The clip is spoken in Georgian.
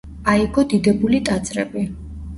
აიგო დიდებული ტაძრები.